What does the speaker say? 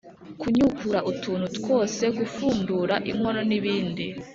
kunyukura utuntu twose, gupfundura inkono n'ibindi.